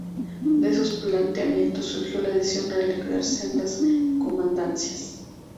De esos planteamientos surgió la decisión real de crear sendas Comandancias.